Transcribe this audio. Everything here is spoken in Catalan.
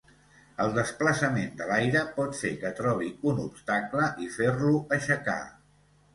El desplaçament de l'aire pot fer que trobi un obstacle i fer-lo aixecar.